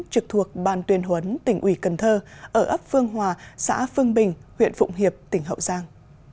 trực thuộc ban tuyên huấn tỉnh ủy cần thơ ở ấp phương hòa xã phương bình huyện phụng hiệp tỉnh hậu giang